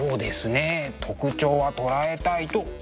特徴は捉えたいと思っています。